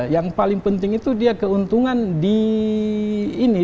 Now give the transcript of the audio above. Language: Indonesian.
yang paling penting itu dia keuntungan di ini